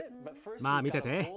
まあ見てて。